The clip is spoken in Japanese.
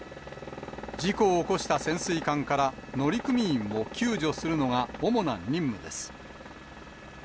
事故を起こした潜水艦から乗組員を救助するのが主な任務です。